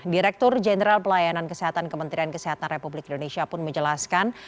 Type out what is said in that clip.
direktur jenderal pelayanan kesehatan kementerian kesehatan republik indonesia pun menjelaskan